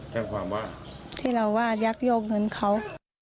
แจ้งความว่าที่เราว่ายักยอกเงินเขา